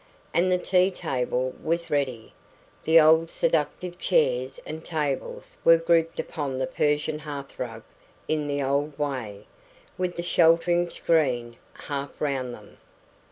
And the tea table was ready; the old seductive chairs and tables were grouped upon the Persian hearthrug in the old way, with the sheltering screen half round them.